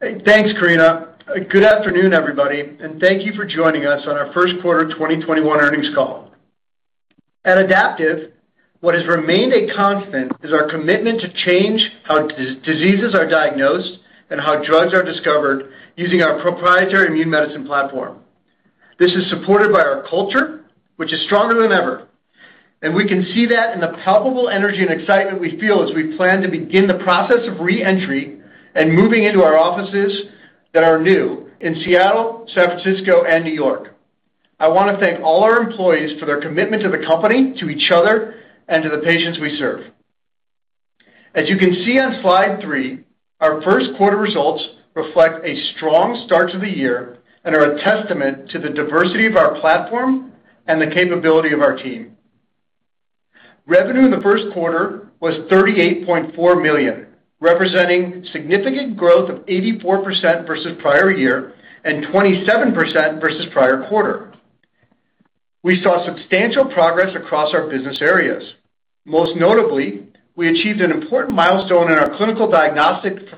Thanks, Karina. Good afternoon, everybody, and thank you for joining us on our First Quarter 2021 Earnings Call. At Adaptive, what has remained a constant is our commitment to change how diseases are diagnosed and how drugs are discovered using our proprietary immune medicine platform. This is supported by our culture, which is stronger than ever, and we can see that in the palpable energy and excitement we feel as we plan to begin the process of re-entry and moving into our offices that are new in Seattle, San Francisco, and New York. I want to thank all our employees for their commitment to the company, to each other, and to the patients we serve. As you can see on slide three, our first quarter results reflect a strong start to the year and are a testament to the diversity of our platform and the capability of our team. Revenue in the first quarter was $38.4 million, representing significant growth of 84% versus prior year and 27% versus prior quarter. We saw substantial progress across our business areas. Most notably, we achieved an important milestone in our clinical diagnostics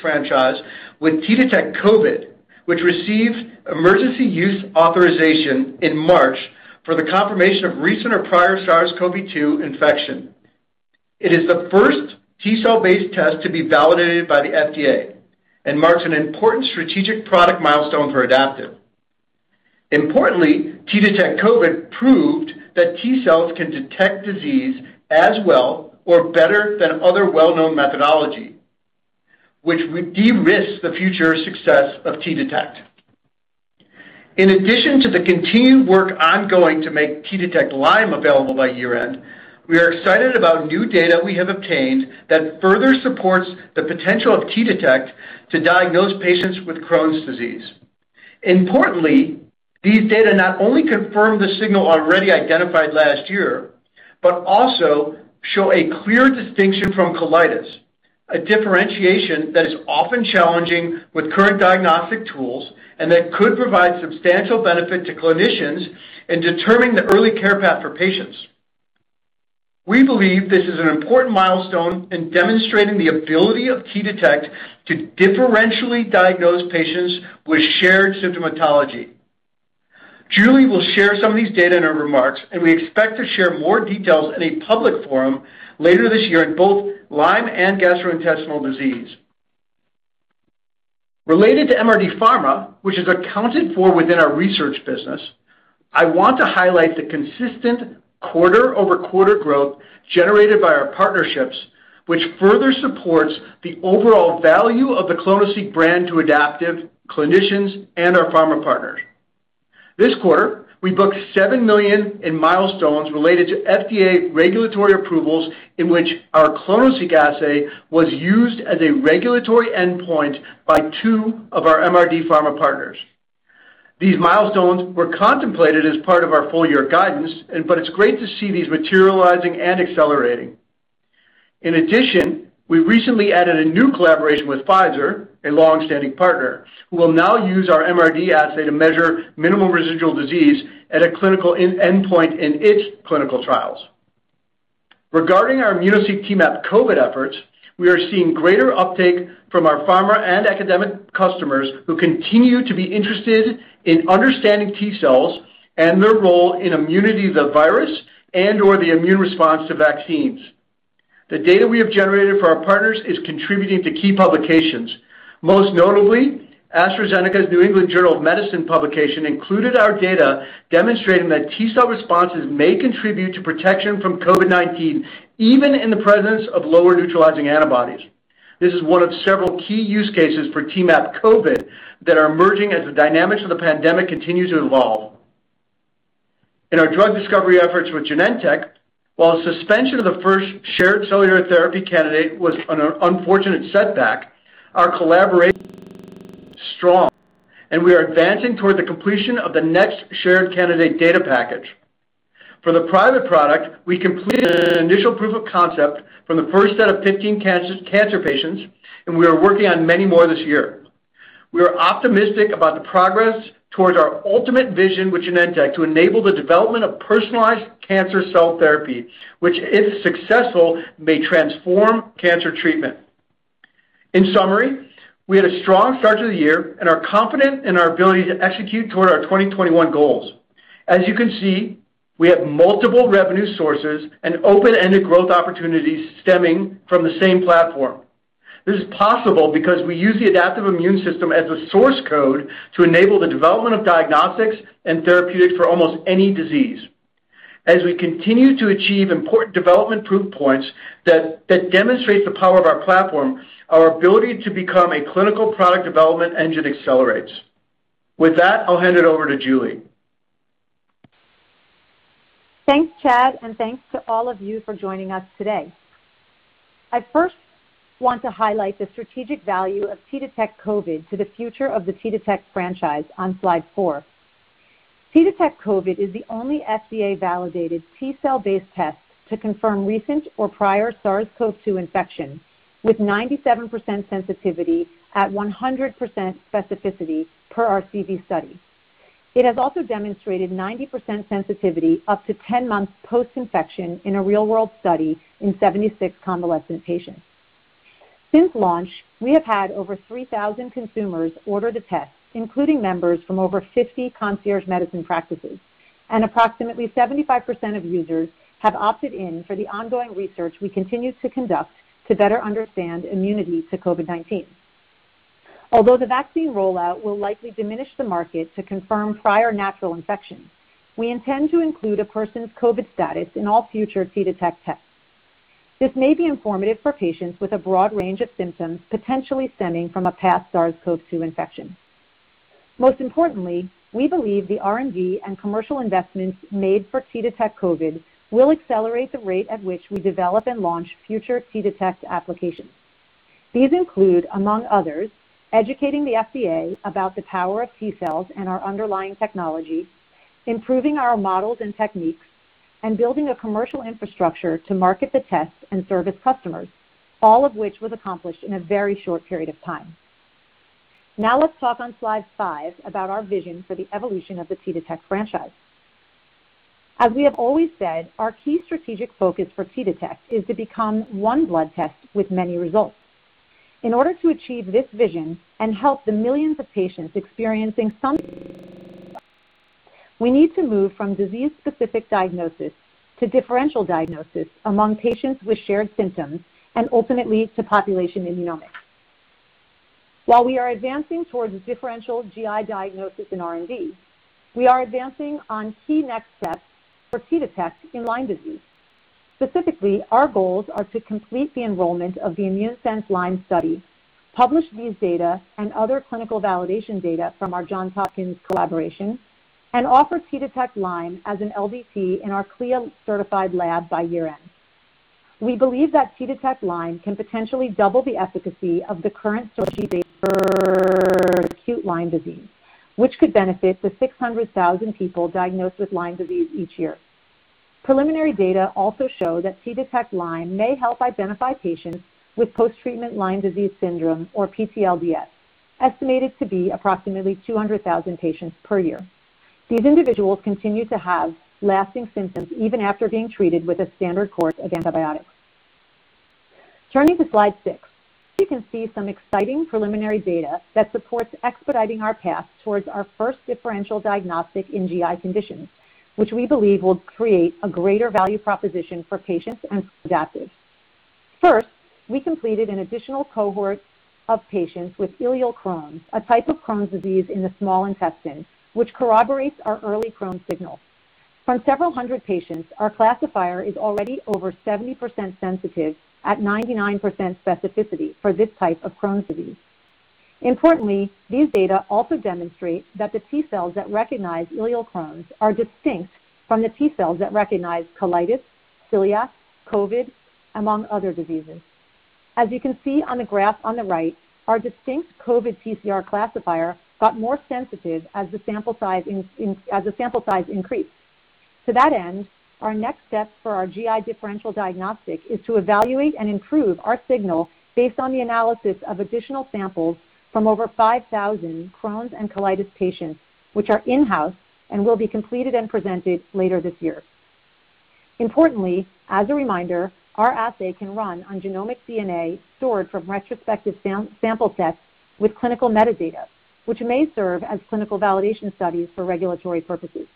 franchise with T-Detect COVID, which received Emergency Use Authorization in March for the confirmation of recent or prior SARS-CoV-2 infection. It is the first T-cell based test to be validated by the FDA and marks an important strategic product milestone for Adaptive. Importantly, T-Detect COVID proved that T cells can detect disease as well or better than other well-known methodology, which would de-risk the future success of T-Detect. In addition to the continued work ongoing to make T-Detect Lyme available by year-end, we are excited about new data we have obtained that further supports the potential of T-Detect to diagnose patients with Crohn's disease. Importantly, these data not only confirm the signal already identified last year, but also show a clear distinction from colitis, a differentiation that is often challenging with current diagnostic tools and that could provide substantial benefit to clinicians in determining the early care path for patients. We believe this is an important milestone in demonstrating the ability of T-Detect to differentially diagnose patients with shared symptomatology. Julie will share some of these data in her remarks. We expect to share more details in a public forum later this year in both Lyme and gastrointestinal disease. Related to MRD Pharma, which is accounted for within our research business, I want to highlight the consistent quarter-over-quarter growth generated by our partnerships, which further supports the overall value of the clonoSEQ brand to Adaptive, clinicians, and our pharma partners. This quarter, we booked $7 million in milestones related to FDA regulatory approvals, in which our clonoSEQ assay was used as a regulatory endpoint by two of our MRD Pharma partners. These milestones were contemplated as part of our full-year guidance, but it's great to see these materializing and accelerating. In addition, we recently added a new collaboration with Pfizer, a long-standing partner, who will now use our MRD assay to measure minimal residual disease at a clinical endpoint in its clinical trials. Regarding our immunoSEQ T-MAP COVID efforts, we are seeing greater uptake from our pharma and academic customers who continue to be interested in understanding T cells and their role in immunity to SARS-CoV-2 and/or the immune response to vaccines. The data we have generated for our partners is contributing to key publications. Most notably, AstraZeneca's The New England Journal of Medicine publication included our data demonstrating that T-cell responses may contribute to protection from COVID-19 even in the presence of lower neutralizing antibodies. This is one of several key use cases for T-MAP COVID that are emerging as the dynamics of the pandemic continue to evolve. In our drug discovery efforts with Genentech, while suspension of the first shared cellular therapy candidate was an unfortunate setback, our collaboration is strong, and we are advancing toward the completion of the next shared candidate data package. For the private product, we completed an initial proof of concept from the first set of 15 cancer patients, and we are working on many more this year. We are optimistic about the progress towards our ultimate vision with Genentech to enable the development of personalized cancer cell therapy, which if successful, may transform cancer treatment. In summary, we had a strong start to the year and are confident in our ability to execute toward our 2021 goals. As you can see, we have multiple revenue sources and open-ended growth opportunities stemming from the same platform. This is possible because we use the adaptive immune system as a source code to enable the development of diagnostics and therapeutics for almost any disease. As we continue to achieve important development proof points that demonstrate the power of our platform, our ability to become a clinical product development engine accelerates. With that, I'll hand it over to Julie. Thanks, Chad, and thanks to all of you for joining us today. I first want to highlight the strategic value of T-Detect COVID to the future of the T-Detect franchise on slide four. T-Detect COVID is the only FDA-validated T-cell-based test to confirm recent or prior SARS-CoV-2 infection with 97% sensitivity at 100% specificity per our CV study. It has also demonstrated 90% sensitivity up to 10 months post-infection in a real-world study in 76 convalescent patients. Since launch, we have had over 3,000 consumers order the test, including members from over 50 concierge medicine practices, and approximately 75% of users have opted in for the ongoing research we continue to conduct to better understand immunity to COVID-19. Although the vaccine rollout will likely diminish the market to confirm prior natural infections, we intend to include a person's COVID status in all future T-Detect tests. This may be informative for patients with a broad range of symptoms, potentially stemming from a past SARS-CoV-2 infection. Most importantly, we believe the R&D and commercial investments made for T-Detect COVID will accelerate the rate at which we develop and launch future T-Detect applications. These include, among others, educating the FDA about the power of T-cells and our underlying technology, improving our models and techniques, and building a commercial infrastructure to market the tests and service customers, all of which was accomplished in a very short period of time. Now let's talk on slide five about our vision for the evolution of the T-Detect franchise. As we have always said, our key strategic focus for T-Detect is to become one blood test with many results. In order to achieve this vision and help the millions of patients experiencing. We need to move from disease-specific diagnosis to differential diagnosis among patients with shared symptoms, and ultimately, to population immunomics. While we are advancing towards differential GI diagnosis in R&D, we are advancing on key next steps for T-Detect in Lyme disease. Specifically, our goals are to complete the enrollment of the ImmuneSense Lyme study, publish these data and other clinical validation data from our Johns Hopkins collaboration, and offer T-Detect Lyme as an LDT in our CLIA certified lab by year-end. We believe that T-Detect Lyme can potentially double the efficacy of acute Lyme disease, which could benefit the 600,000 people diagnosed with Lyme disease each year. Preliminary data also show that T-Detect Lyme may help identify patients with post-treatment Lyme disease syndrome, or PTLDS, estimated to be approximately 200,000 patients per year. These individuals continue to have lasting symptoms even after being treated with a standard course of antibiotics. Turning to slide six, you can see some exciting preliminary data that supports expediting our path towards our first differential diagnostic in GI conditions, which we believe will create a greater value proposition for patients and Adaptive. First, we completed an additional cohort of patients with ileal Crohn's, a type of Crohn's disease in the small intestine, which corroborates our early Crohn's signal. From several hundred patients, our classifier is already over 70% sensitive at 99% specificity for this type of Crohn's disease. Importantly, these data also demonstrate that the T cells that recognize ileal Crohn's are distinct from the T cells that recognize colitis, celiac, COVID, among other diseases. As you can see on the graph on the right, our distinct COVID TCR classifier got more sensitive as the sample size increased. To that end, our next step for our GI differential diagnostic is to evaluate and improve our signal based on the analysis of additional samples from over 5,000 Crohn's and colitis patients, which are in-house and will be completed and presented later this year. Importantly, as a reminder, our assay can run on genomic DNA stored from retrospective sample sets with clinical metadata, which may serve as clinical validation studies for regulatory purposes.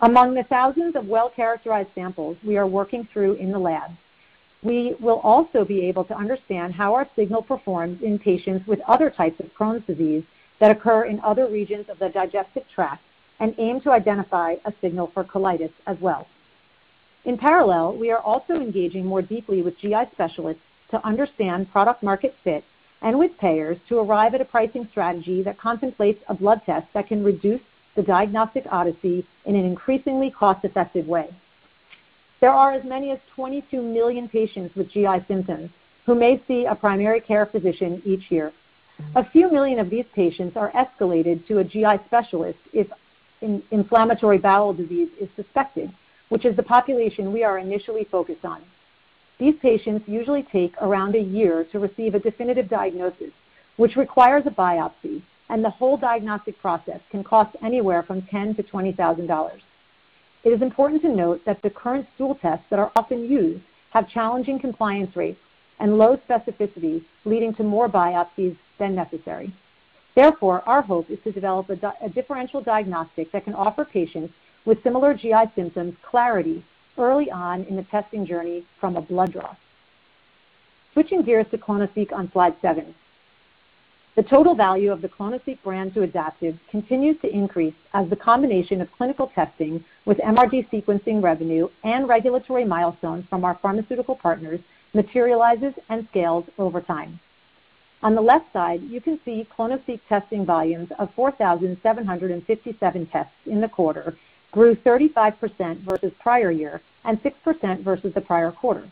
Among the thousands of well-characterized samples we are working through in the lab, we will also be able to understand how our signal performs in patients with other types of Crohn's disease that occur in other regions of the digestive tract and aim to identify a signal for colitis as well. In parallel, we are also engaging more deeply with GI specialists to understand product market fit and with payers to arrive at a pricing strategy that contemplates a blood test that can reduce the diagnostic odyssey in an increasingly cost-effective way. There are as many as 22 million patients with GI symptoms who may see a primary care physician each year. A few millions of these patients are escalated to a GI specialist if inflammatory bowel disease is suspected, which is the population we are initially focused on. These patients usually take around a year to receive a definitive diagnosis, which requires a biopsy, and the whole diagnostic process can cost anywhere from $10,000-$20,000. It is important to note that the current stool tests that are often used have challenging compliance rates and low specificity, leading to more biopsies than necessary. Therefore, our hope is to develop a differential diagnostic that can offer patients with similar GI symptoms clarity early on in the testing journey from a blood draw. Switching gears to clonoSEQ on slide seven. The total value of the clonoSEQ brand to Adaptive continues to increase as the combination of clinical testing with MRD sequencing revenue and regulatory milestones from our pharmaceutical partners materializes and scales over time. On the left side, you can see clonoSEQ testing volumes of 4,757 tests in the quarter grew 35% versus prior year and 6% versus the prior quarter.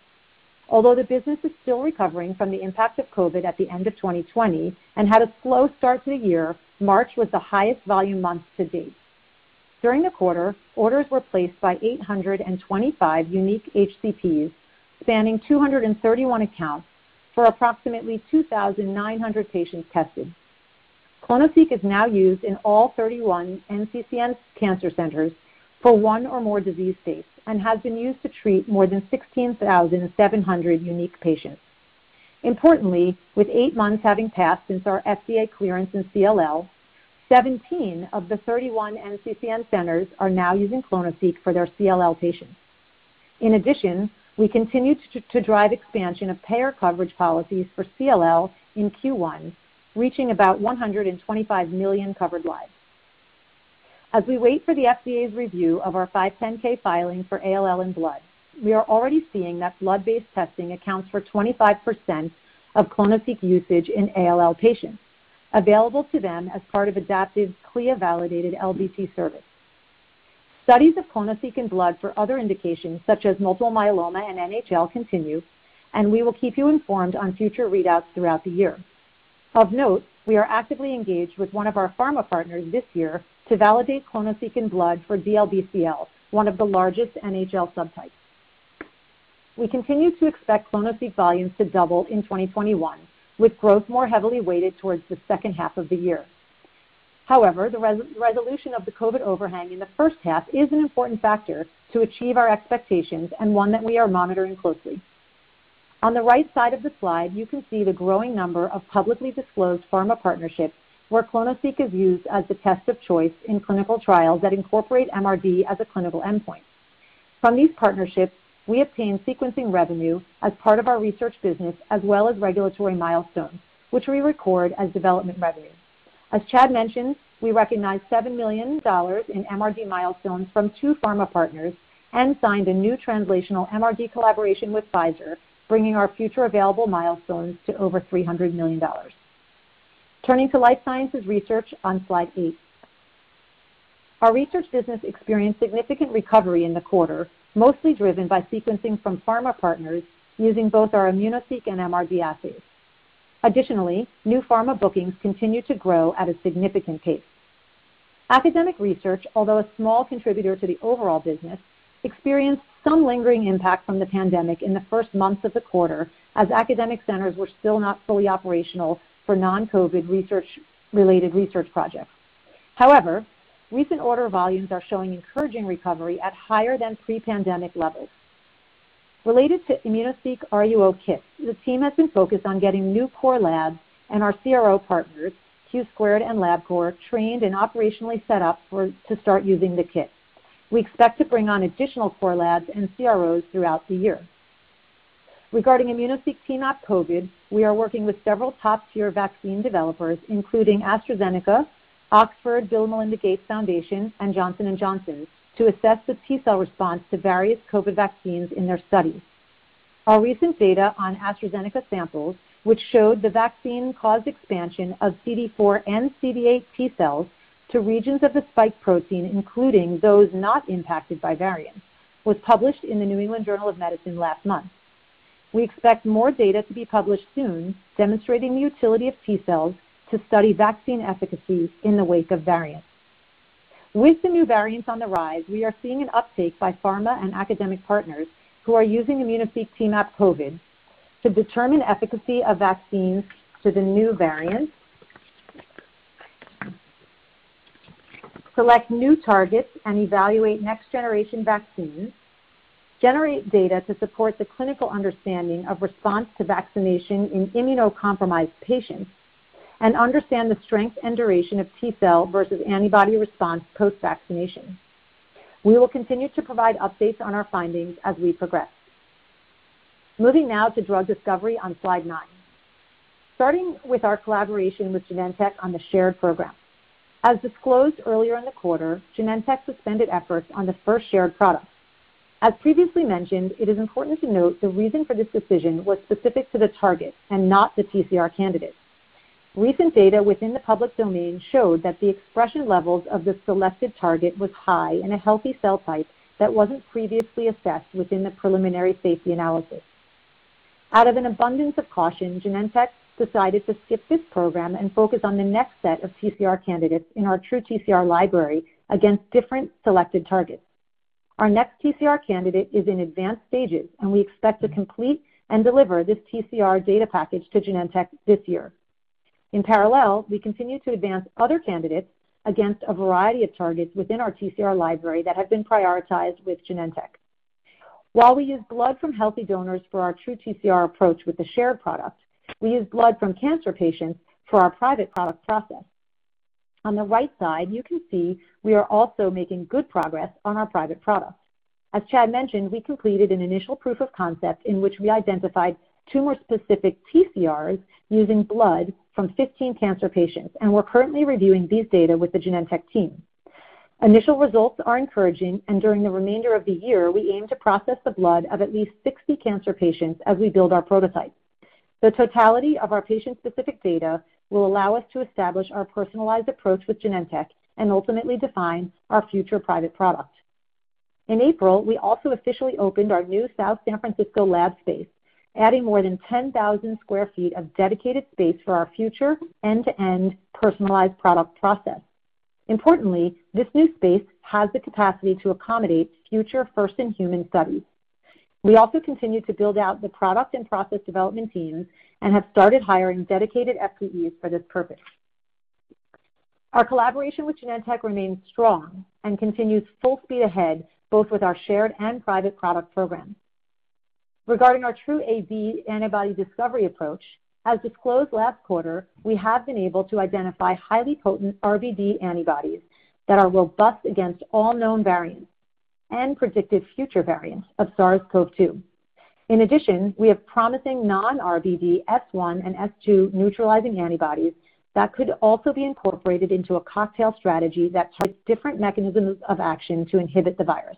Although the business is still recovering from the impact of COVID at the end of 2020 and had a slow start to the year, March was the highest volume month to date. During the quarter, orders were placed by 825 unique HCPs, spanning 231 accounts for approximately 2,900 patients tested. clonoSEQ is now used in all 31 NCCN cancer centers for one or more disease states and has been used to treat more than 16,700 unique patients. Importantly, with 8 months having passed since our FDA clearance in CLL, 17 of the 31 NCCN centers are now using clonoSEQ for their CLL patients. In addition, we continued to drive expansion of payer coverage policies for CLL in Q1, reaching about 125 million covered lives. As we wait for the FDA's review of our 510(k) filing for ALL in blood, we are already seeing that blood-based testing accounts for 25% of clonoSEQ usage in ALL patients, available to them as part of Adaptive's CLIA-validated LDT service. Studies of clonoSEQ in blood for other indications such as multiple myeloma and NHL continue, and we will keep you informed on future readouts throughout the year. Of note, we are actively engaged with one of our pharma partners this year to validate clonoSEQ in blood for DLBCL, one of the largest NHL subtypes. We continue to expect clonoSEQ volumes to double in 2021, with growth more heavily weighted towards the second half of the year. However, the resolution of the COVID overhang in the first half is an important factor to achieve our expectations and one that we are monitoring closely. On the right side of the slide, you can see the growing number of publicly disclosed pharma partnerships where clonoSEQ is used as the test of choice in clinical trials that incorporate MRD as a clinical endpoint. From these partnerships, we obtain sequencing revenue as part of our research business, as well as regulatory milestones, which we record as development revenue. As Chad mentioned, we recognized $7 million in MRD milestones from two pharma partners and signed a new translational MRD collaboration with Pfizer, bringing our future available milestones to over $300 million. Turning to life sciences research on slide eight. Our research business experienced significant recovery in the quarter, mostly driven by sequencing from pharma partners using both our immunoSEQ and MRD assays. Additionally, new pharma bookings continue to grow at a significant pace. Academic research, although a small contributor to the overall business, experienced some lingering impact from the pandemic in the first months of the quarter, as academic centers were still not fully operational for non-COVID research-related research projects. However, recent order volumes are showing encouraging recovery at higher than pre-pandemic levels. Related to immunoSEQ T-MAP COVID, the team has been focused on getting new core labs and our CRO partners, Q2 Solutions and Labcorp, trained and operationally set up to start using the kit. We expect to bring on additional core labs and CROs throughout the year. Regarding immunoSEQ T-MAP COVID, we are working with several top-tier vaccine developers, including AstraZeneca, Oxford, Bill & Melinda Gates Foundation, and Johnson & Johnson, to assess the T cell response to various COVID vaccines in their studies. Our recent data on AstraZeneca samples, which showed the vaccine-caused expansion of CD4 and CD8 T cells to regions of the spike protein, including those not impacted by variants, was published in "The New England Journal of Medicine" last month. We expect more data to be published soon demonstrating the utility of T cells to study vaccine efficacy in the wake of variants. The new variants on the rise, we are seeing an uptake by pharma and academic partners who are using immunoSEQ T-MAP COVID to determine efficacy of vaccines to the new variants, select new targets, and evaluate next-generation vaccines, generate data to support the clinical understanding of response to vaccination in immunocompromised patients, and understand the strength and duration of T cell versus antibody response post-vaccination. We will continue to provide updates on our findings as we progress. Moving now to drug discovery on slide nine. Starting with our collaboration with Genentech on the shared program. As disclosed earlier in the quarter, Genentech suspended efforts on the first shared product. As previously mentioned, it is important to note the reason for this decision was specific to the target and not the TCR candidate. Recent data within the public domain showed that the expression levels of the selected target was high in a healthy cell type that wasn't previously assessed within the preliminary safety analysis. Out of an abundance of caution, Genentech decided to skip this program and focus on the next set of TCR candidates in our TruTCR library against different selected targets. Our next TCR candidate is in advanced stages, and we expect to complete and deliver this TCR data package to Genentech this year. In parallel, we continue to advance other candidates against a variety of targets within our TCR library that have been prioritized with Genentech. While we use blood from healthy donors for our TruTCR approach with the shared product, we use blood from cancer patients for our private product process. On the right side, you can see we are also making good progress on our private product. As Chad mentioned, we completed an initial proof of concept in which we identified tumor-specific TCRs using blood from 15 cancer patients, and we're currently reviewing these data with the Genentech team. Initial results are encouraging, and during the remainder of the year, we aim to process the blood of at least 60 cancer patients as we build our prototype. The totality of our patient-specific data will allow us to establish our personalized approach with Genentech and ultimately define our future private product. In April, we also officially opened our new South San Francisco lab space, adding more than 10,000 sq ft of dedicated space for our future end-to-end personalized product process. Importantly, this new space has the capacity to accommodate future first-in-human studies. We also continue to build out the product and process development teams and have started hiring dedicated FTEs for this purpose. Our collaboration with Genentech remains strong and continues full speed ahead, both with our shared and private product programs. Regarding our TruAB antibody discovery approach, as disclosed last quarter, we have been able to identify highly potent RBD antibodies that are robust against all known variants and predicted future variants of SARS-CoV-2. In addition, we have promising non-RBD S1 and S2 neutralizing antibodies that could also be incorporated into a cocktail strategy that targets different mechanisms of action to inhibit the virus.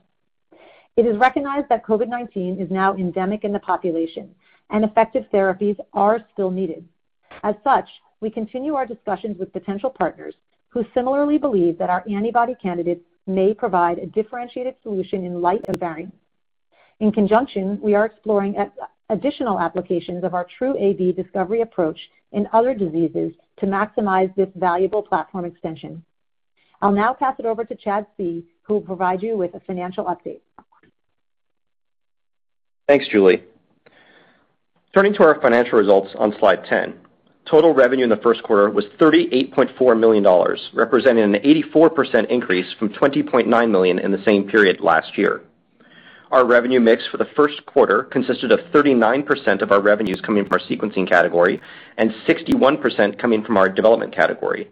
It is recognized that COVID-19 is now endemic in the population, and effective therapies are still needed. As such, we continue our discussions with potential partners who similarly believe that our antibody candidates may provide a differentiated solution in light of variants. In conjunction, we are exploring additional applications of our TruAB discovery approach in other diseases to maximize this valuable platform extension. I'll now pass it over to Chad Cohen, who will provide you with a financial update. Thanks, Julie. Turning to our financial results on slide 10. Total revenue in the first quarter was $38.4 million, representing an 84% increase from $20.9 million in the same period last year. Our revenue mix for the first quarter consisted of 39% of our revenues coming from our sequencing category and 61% coming from our development category.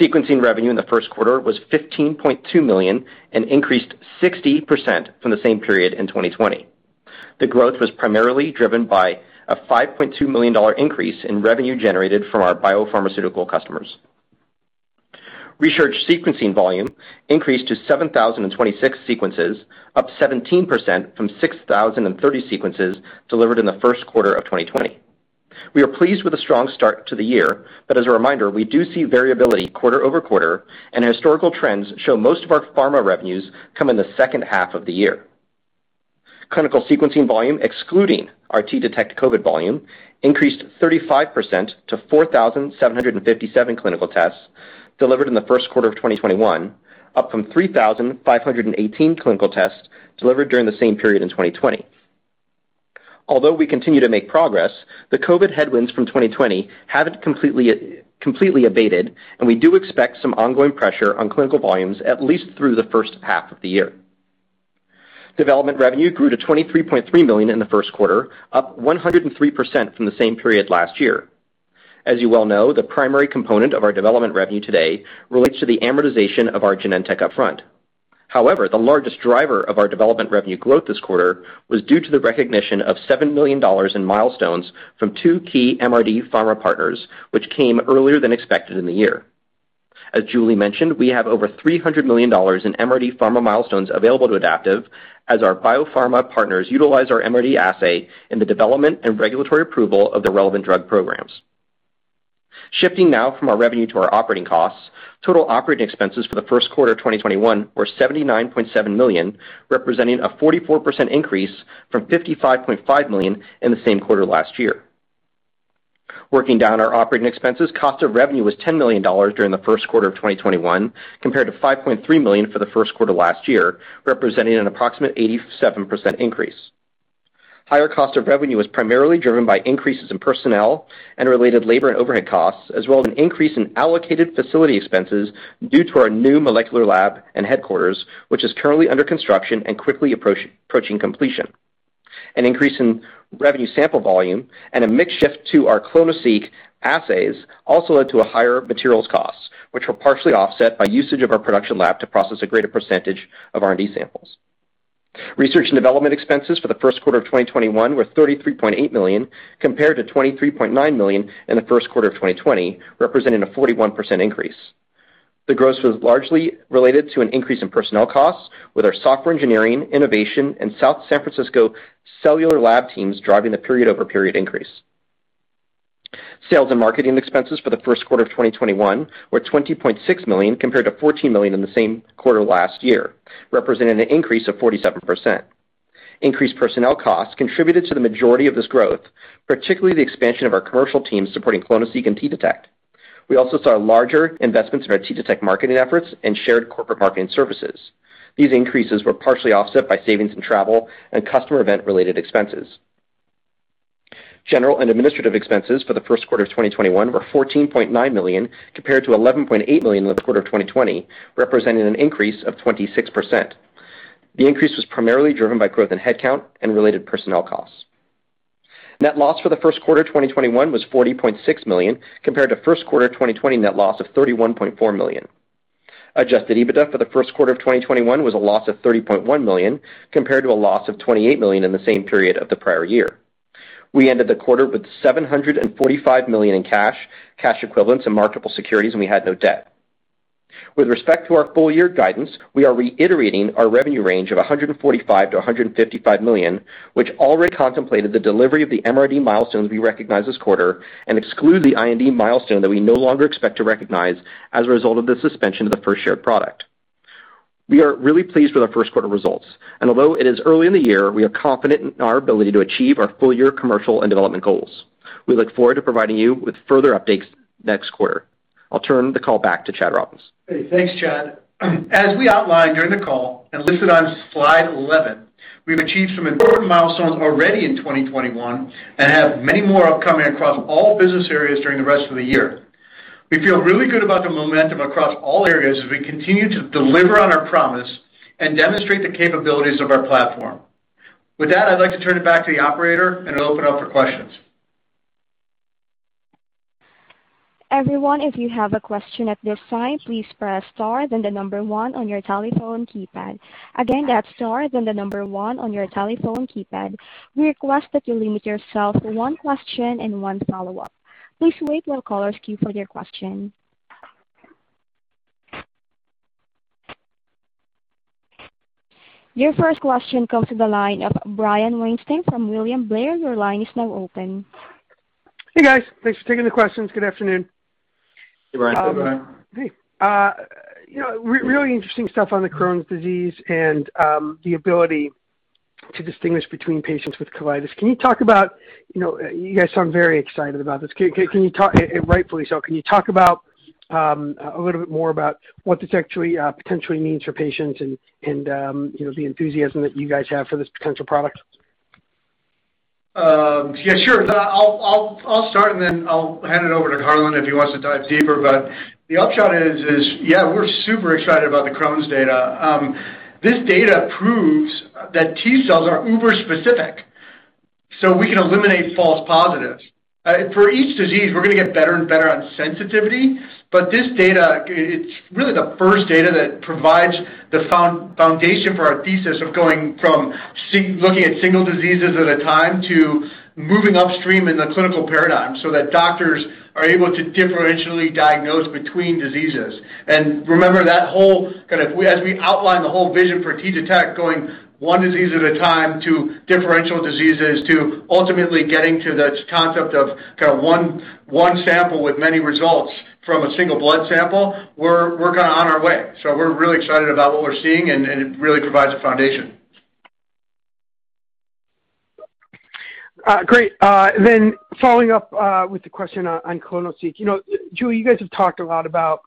Sequencing revenue in the first quarter was $15.2 million and increased 60% from the same period in 2020. The growth was primarily driven by a $5.2 million increase in revenue generated from our biopharmaceutical customers. Research sequencing volume increased to 7,026 sequences, up 17% from 6,030 sequences delivered in the first quarter of 2020. We are pleased with the strong start to the year, but as a reminder, we do see variability quarter-over-quarter, and historical trends show most of our pharma revenues come in the second half of the year. Clinical sequencing volume, excluding our T-Detect COVID volume, increased 35% to 4,757 clinical tests delivered in the first quarter of 2021, up from 3,518 clinical tests delivered during the same period in 2020. Although we continue to make progress, the COVID headwinds from 2020 haven't completely abated, and we do expect some ongoing pressure on clinical volumes at least through the first half of the year. Development revenue grew to $23.3 million in the first quarter, up 103% from the same period last year. As you well know, the primary component of our development revenue today relates to the amortization of our Genentech upfront. The largest driver of our development revenue growth this quarter was due to the recognition of $7 million in milestones from two key MRD Pharma partners, which came earlier than expected in the year. As Julie mentioned, we have over $300 million in MRD Pharma milestones available to Adaptive as our biopharma partners utilize our MRD assay in the development and regulatory approval of their relevant drug programs. Shifting now from our revenue to our operating costs, total operating expenses for the first quarter 2021 were $79.7 million, representing a 44% increase from $55.5 million in the same quarter last year. Working down our operating expenses, cost of revenue was $10 million during the first quarter of 2021, compared to $5.3 million for the first quarter last year, representing an approximate 87% increase. Higher cost of revenue was primarily driven by increases in personnel and related labor and overhead costs, as well as an increase in allocated facility expenses due to our new molecular lab and headquarters, which is currently under construction and quickly approaching completion. An increase in revenue sample volume and a mix shift to our clonoSEQ assays also led to higher materials costs, which were partially offset by usage of our production lab to process a greater percentage of R&D samples. Research and development expenses for the first quarter of 2021 were $33.8 million, compared to $23.9 million in the first quarter of 2020, representing a 41% increase. The growth was largely related to an increase in personnel costs with our software engineering, innovation, and South San Francisco cellular lab teams driving the period-over-period increase. Sales and marketing expenses for the first quarter of 2021 were $20.6 million, compared to $14 million in the same quarter last year, representing an increase of 47%. Increased personnel costs contributed to the majority of this growth, particularly the expansion of our commercial teams supporting clonoSEQ and T-Detect. We also saw larger investments in our T-Detect marketing efforts and shared corporate marketing services. These increases were partially offset by savings in travel and customer event-related expenses. General and administrative expenses for the first quarter of 2021 were $14.9 million, compared to $11.8 million in the quarter of 2020, representing an increase of 26%. The increase was primarily driven by growth in headcount and related personnel costs. Net loss for the first quarter 2021 was $40.6 million, compared to first quarter 2020 net loss of $31.4 million. Adjusted EBITDA for the first quarter of 2021 was a loss of $30.1 million, compared to a loss of $28 million in the same period of the prior year. We ended the quarter with $745 million in cash equivalents, and marketable securities, and we had no debt. With respect to our full-year guidance, we are reiterating our revenue range of $145 million-$155 million, which already contemplated the delivery of the MRD milestones we recognized this quarter and exclude the IND milestone that we no longer expect to recognize as a result of the suspension of the first shared product. We are really pleased with our first quarter result. Although it is early in the year, we are confident in our ability to achieve our full-year commercial and development goals. We look forward to providing you with further updates next quarter. I'll turn the call back to Chad Robins. Hey, thanks, Chad. As we outlined during the call, listed on slide 11, we've achieved some important milestones already in 2021 and have many more upcoming across all business areas during the rest of the year. We feel really good about the momentum across all areas as we continue to deliver on our promise and demonstrate the capabilities of our platform. With that, I'd like to turn it back to the operator and open up for questions. Everyone, if you have a question at this time, please press star, then the number one on your telephone keypad. Again, that's star, then the number one on your telephone keypad. We request that you limit yourself to one question and one follow-up. Please wait while callers' queue for your question. Your first question comes to the line of Brian Weinstein from William Blair. Your line is now open. Hey, guys. Thanks for taking the questions. Good afternoon. Hey, Brian. Hey, Brian. Hey. Really interesting stuff on the Crohn's disease and the ability to distinguish between patients with colitis. You guys sound very excited about this, rightfully so. Can you talk a little bit more about what this actually potentially means for patients and the enthusiasm that you guys have for this potential product? Yeah, sure. I'll start, and then I'll hand it over to Harlan if he wants to dive deeper. The upshot is, yeah, we're super excited about the Crohn's data. This data proves that T-cells are uber specific, so we can eliminate false positives. For each disease, we're going to get better and better on sensitivity, this data, it's really the first data that provides the foundation for our thesis of going from looking at single diseases at a time to moving upstream in the clinical paradigm so that doctors are able to differentially diagnose between diseases. Remember, as we outline the whole vision for T-Detect, going one disease at a time, to differential diseases, to ultimately getting to the concept of one sample with many results from a single blood sample, we're on our way. We're really excited about what we're seeing, and it really provides a foundation. Great. Following up with the question on clonoSEQ. Julie, you guys have talked a lot about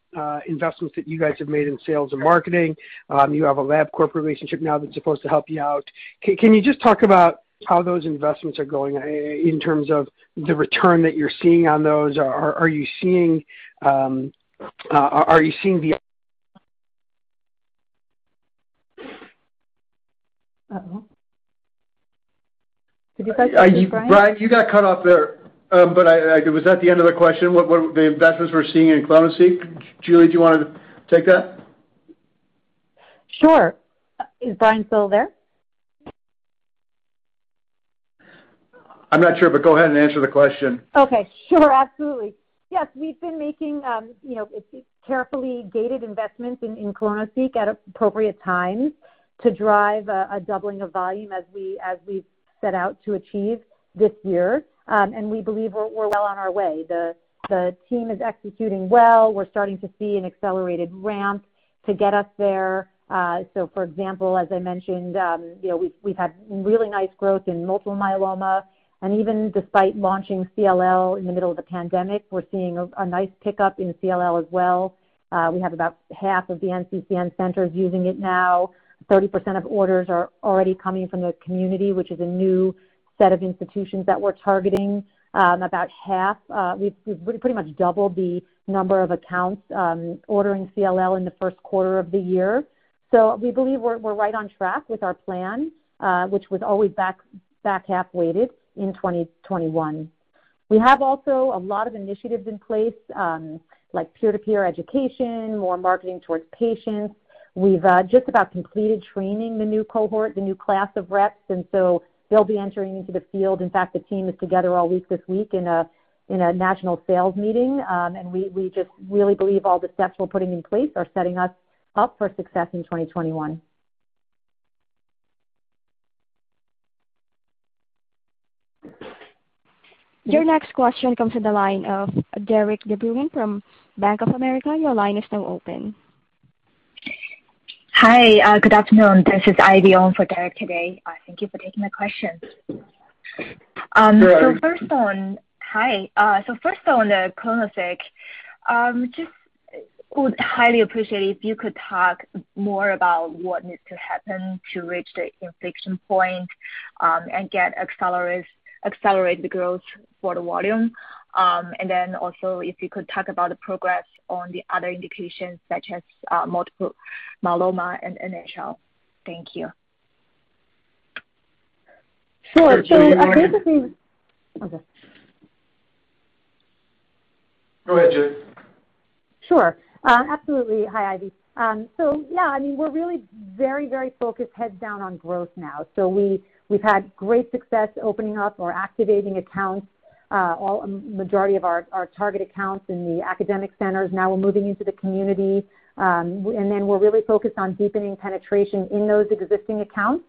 investments that you guys have made in sales and marketing. You have a Labcorp relationship now that's supposed to help you out. Can you just talk about how those investments are going in terms of the return that you're seeing on those? Uh-oh. Did you guys lose Brian? Brian, you got cut off there. Was that the end of the question, what the investments we're seeing in clonoSEQ? Julie, do you want to take that? Sure. Is Brian still there? I'm not sure, but go ahead and answer the question. Okay, sure. Absolutely. We've been making carefully gated investments in clonoSEQ at appropriate times to drive a doubling of volume as we've set out to achieve this year. We believe we're well on our way. The team is executing well. We're starting to see an accelerated ramp to get us there. For example, as I mentioned, we've had really nice growth in multiple myeloma, and even despite launching CLL in the middle of the pandemic, we're seeing a nice pickup in CLL as well. We have about half of the NCCN centers using it now. 30% of orders are already coming from the community, which is a new set of institutions that we're targeting. We've pretty much doubled the number of accounts ordering CLL in the first quarter of the year. We believe we're right on track with our plan, which was always back half weighted in 2021. We have also a lot of initiatives in place, like peer-to-peer education, more marketing towards patients. We've just about completed training the new cohort, the new class of reps, so they'll be entering into the field. In fact, the team is together all week this week in a national sales meeting. We just really believe all the steps we're putting in place are setting us up for success in 2021. Your next question comes to the line of Derik De Bruin from Bank of America. Your line is now open. Hi, good afternoon. This is Ivy on for Derik today. Thank you for taking my question. Hi. Hi. First on the clonoSEQ, just would highly appreciate if you could talk more about what needs to happen to reach the inflection point, and get accelerated growth for the volume. Then also, if you could talk about the progress on the other indications such as multiple myeloma and NHL. Thank you. Sure. Go ahead, Julie. Sure. Absolutely. Hi, Ivy. Yeah, we're really very, very focused heads down on growth now. We've had great success opening up or activating accounts, a majority of our target accounts in the academic centers. Now we're moving into the community. Then we're really focused on deepening penetration in those existing accounts.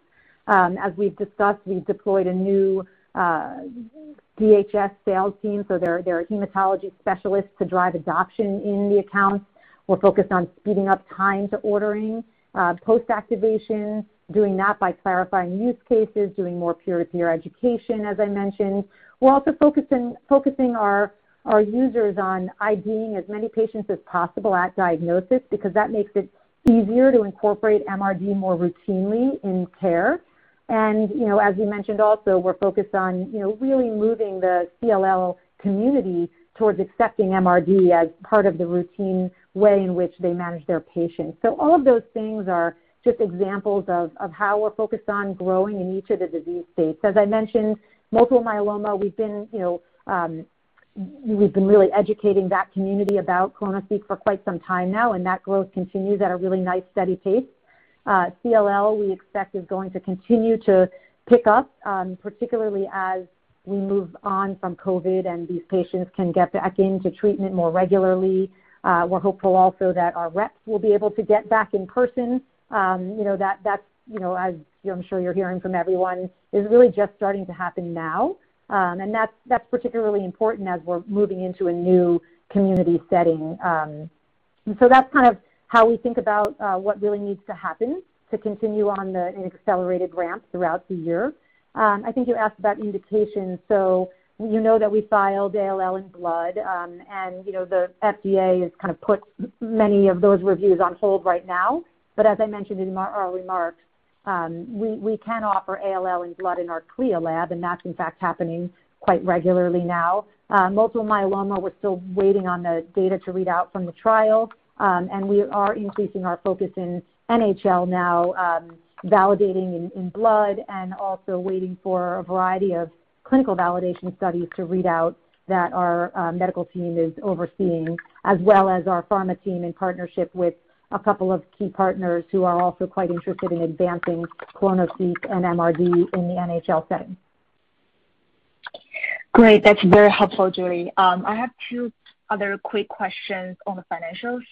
As we've discussed, we've deployed a new DHS sales team, so they're a hematology specialist to drive adoption in the accounts. We're focused on speeding up time to ordering, post-activation, doing that by clarifying use cases, doing more peer-to-peer education, as I mentioned. We're also focusing our users on IDing as many patients as possible at diagnosis, because that makes it easier to incorporate MRD more routinely in care. As you mentioned also, we're focused on really moving the CLL community towards accepting MRD as part of the routine way in which they manage their patients. All of those things are just examples of how we're focused on growing in each of the disease states. As I mentioned, multiple myeloma, we've been really educating that community about clonoSEQ for quite some time now, and that growth continues at a really nice, steady pace. CLL, we expect, is going to continue to pick up, particularly as we move on from COVID and these patients can get back into treatment more regularly. We're hopeful also that our reps will be able to get back in person. That, as I'm sure you're hearing from everyone, is really just starting to happen now. That's particularly important as we're moving into a new community setting. That's kind of how we think about what really needs to happen to continue on an accelerated ramp throughout the year. I think you asked about indications, so you know that we filed ALL in blood, and the FDA has kind of put many of those reviews on hold right now. As I mentioned in our remarks, we can offer ALL in blood in our CLIA lab, and that's in fact happening quite regularly now. Multiple myeloma, we're still waiting on the data to read out from the trial. We are increasing our focus in NHL now, validating in blood and also waiting for a variety of clinical validation studies to read out that our medical team is overseeing, as well as our pharma team in partnership with a couple of key partners who are also quite interested in advancing clonoSEQ and MRD in the NHL setting. Great. That's very helpful, Julie. I have two other quick questions on the financials.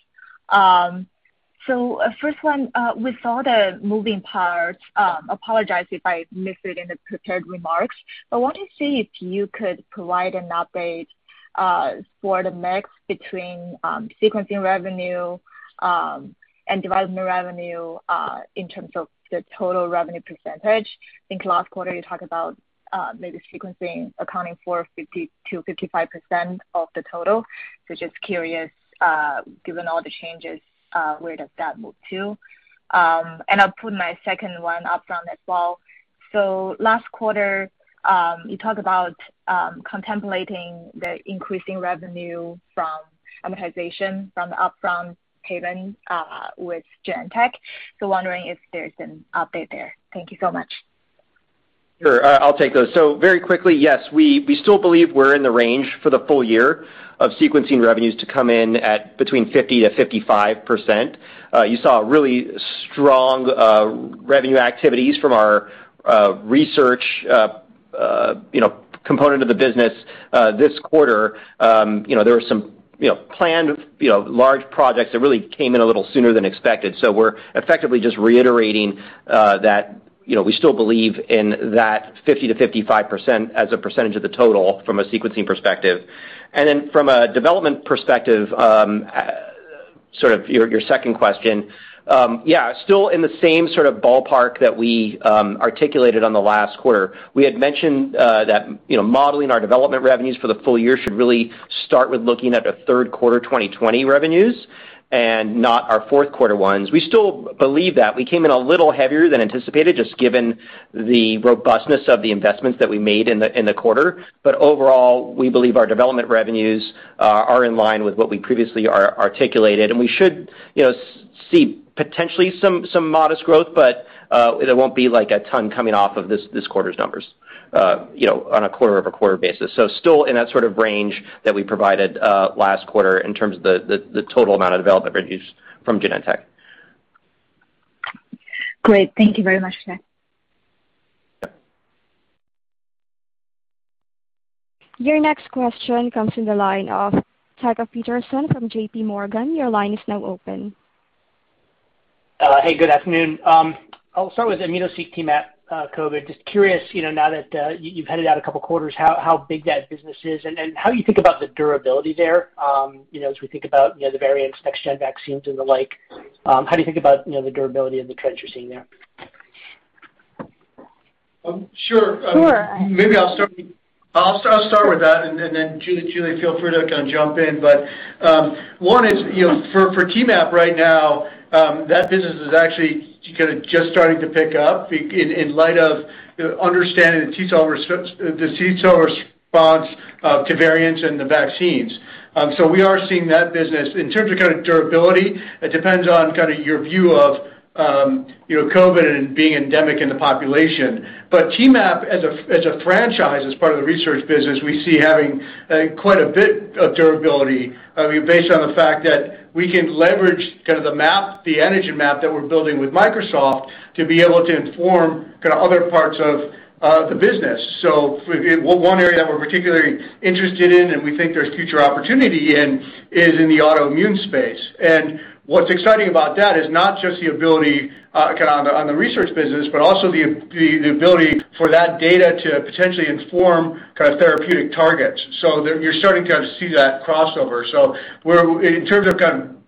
First one, we saw the moving parts. Apologize if I missed it in the prepared remarks, but wanted to see if you could provide an update for the mix between sequencing revenue and development revenue in terms of the total revenue percentage. I think last quarter you talked about maybe sequencing accounting for 50%-55% of the total. Just curious, given all the changes, where does that move to? I'll put my second one upfront as well. Last quarter, you talked about contemplating the increasing revenue from amortization from the upfront payment with Genentech, so wondering if there's an update there. Thank you so much. Sure. I'll take those. Very quickly, yes, we still believe we're in the range for the full year of sequencing revenues to come in at between 50%-55%. You saw really strong revenue activities from our research component of the business this quarter. There were some planned large projects that really came in a little sooner than expected, so we're effectively just reiterating that we still believe in that 50%-55% as a percentage of the total from a sequencing perspective. From a development perspective, sort of your second question, yeah, still in the same sort of ballpark that we articulated on the last quarter. We had mentioned that modeling our development revenues for the full year should really start with looking at the third quarter 2020 revenues and not our fourth quarter ones. We still believe that. We came in a little heavier than anticipated, just given the robustness of the investments that we made in the quarter. Overall, we believe our development revenues are in line with what we previously articulated, and we should see potentially some modest growth, but there won't be a ton coming off of this quarter's numbers on a quarter-over-quarter basis. Still in that sort of range that we provided last quarter in terms of the total amount of development revenues from Genentech. Great. Thank you very much, Chad. Your next question comes from the line of Tycho Peterson from JPMorgan. Your line is now open. Hey, good afternoon. I'll start with immunoSEQ T-MAP COVID. Just curious, now that you've headed out a couple quarters, how big that business is and how you think about the durability there, as we think about the variants, next-gen vaccines and the like, how do you think about the durability of the trends you're seeing there? Sure. Sure. Maybe I'll start with that, and then Julie, feel free to jump in. One is, for T-MAP right now, that business is actually kind of just starting to pick up in light of understanding the T cell response to variants and the vaccines. We are seeing that business. In terms of kind of durability, it depends on your view of COVID being endemic in the population. T-MAP, as a franchise, as part of the research business, we see having quite a bit of durability based on the fact that we can leverage the antigen map that we're building with Microsoft to be able to inform other parts of the business. One area that we're particularly interested in, and we think there's future opportunity in, is in the autoimmune space. What's exciting about that is not just the ability on the research business, but also the ability for that data to potentially inform therapeutic targets. You're starting to see that crossover. In terms of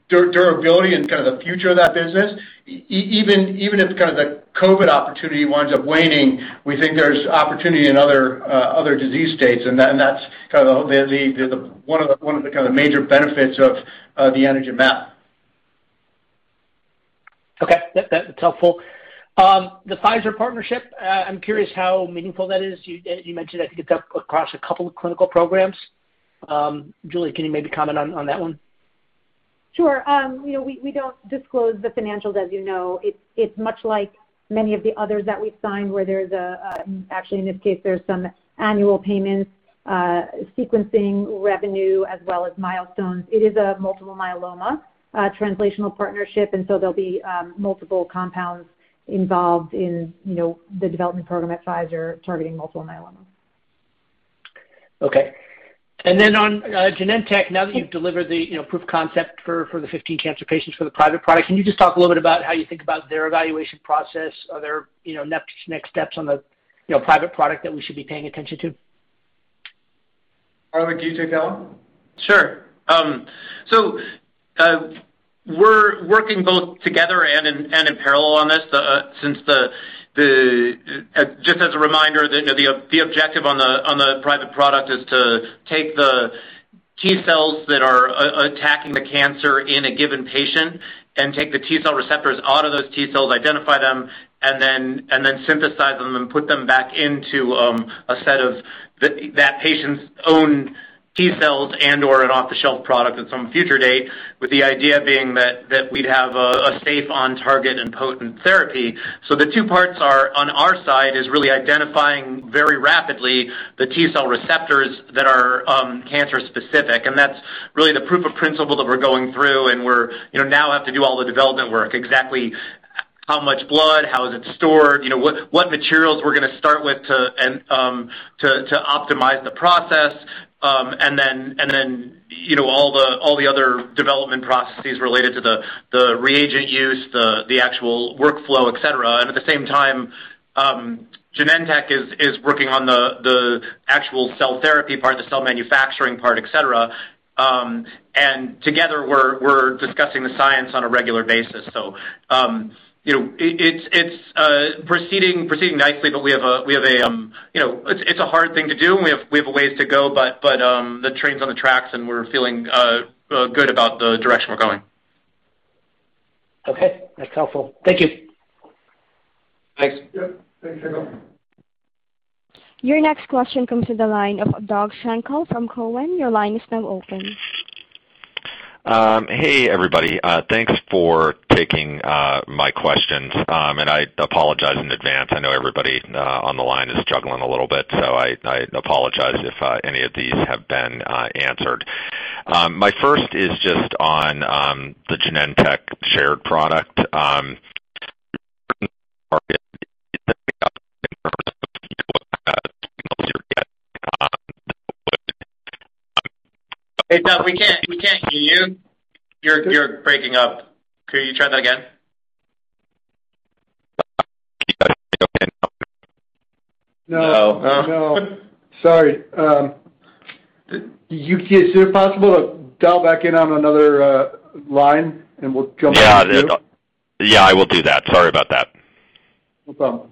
durability and the future of that business. Even if the COVID opportunity winds up waning, we think there's opportunity in other disease states, and that's one of the major benefits of the antigen map. Okay. That's helpful. The Pfizer partnership, I'm curious how meaningful that is. You mentioned, I think it's up across a couple of clinical programs? Julie, can you maybe comment on that one? Sure. We don't disclose the financials as you know. It's much like many of the others that we've signed where there's actually, in this case, some annual payments, sequencing revenue, as well as milestones. It is a multiple myeloma translational partnership. There'll be multiple compounds involved in the development program at Pfizer targeting multiple myeloma. Okay. On Genentech, now that you've delivered the proof concept for the 15 cancer patients for the private product, can you just talk a little bit about how you think about their evaluation process? Are there next steps on the private product that we should be paying attention to? Harlan, can you take that one? Sure. We're working both together and in parallel on this. Just as a reminder, the objective on the private product is to take the T cells that are attacking the cancer in a given patient and take the T cell receptors out of those T cells, identify them, and then synthesize them and put them back into a set of that patient's own T cells and/or an off-the-shelf product at some future date with the idea being that we'd have a safe on target and potent therapy. The two parts are, on our side, is really identifying very rapidly the T cell receptors that are cancer specific, and that's really the proof of principle that we're going through, and we now have to do all the development work, exactly how much blood, how is it stored, what materials we're going to start with to optimize the process, and then all the other development processes related to the reagent use, the actual workflow, et cetera. At the same time, Genentech is working on the actual cell therapy part, the cell manufacturing part, et cetera. Together we're discussing the science on a regular basis. It's proceeding nicely, but it's a hard thing to do, and we have a ways to go, but the train's on the tracks, and we're feeling good about the direction we're going. Okay. That's helpful. Thank you. Thanks. Yep. Thanks. Your next question comes to the line of Doug Schenkel from Cowen. Your line is now open. Hey, everybody. Thanks for taking my questions. I apologize in advance. I know everybody on the line is struggling a little bit. I apologize if any of these have been answered. My first is just on the Genentech shared product. Hey, Doug, we can't hear you. You're breaking up. Could you try that again? No. No. No. Sorry. Is it possible to dial back in on another line and we'll jump-? Yeah. I will do that. Sorry about that. No problem.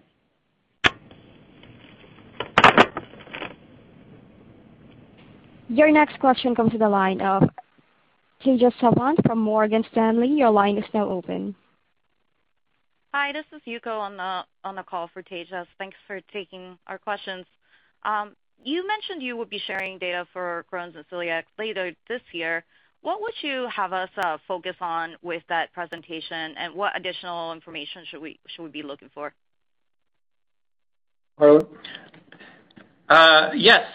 Your next question comes to the line of Tejas Savant from Morgan Stanley. Your line is now open. Hi, this is Yuko on the call for Tejas. Thanks for taking our questions. You mentioned you would be sharing data for Crohn's and Celiac later this year. What would you have us focus on with that presentation, and what additional information should we be looking for? Harlan? Yes.